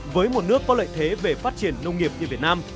với một nước có lợi thế về phát triển nông nghiệp như việt nam